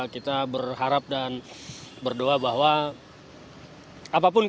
kita berharap dan berdoa bahwa apapun